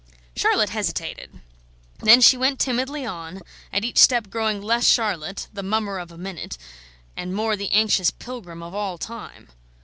Charlotte hesitated; then she went timidly on, at each step growing less Charlotte, the mummer of a minute, and more the anxious Pilgrim of all time.